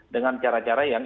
dengan cara cara yang